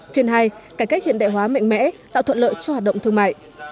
phiên hai cải cách hiện đại hóa mạnh mẽ tạo thuận lợi cho hoạt động thương mại